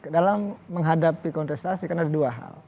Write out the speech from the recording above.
dalam menghadapi konteks asli kan ada dua hal